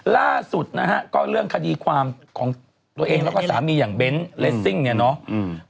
ล่าสุดนะฮะก็เรื่องคดีความของตัวเองแล้วก็สามีอย่างเบ้นเลสซิ่งเนี่ยเนาะ